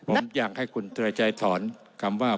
ผมอยากให้คุณเตรชัยถอนคำว่า